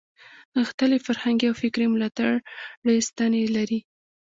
غښتلې فرهنګي او فکري ملاتړې ستنې لري.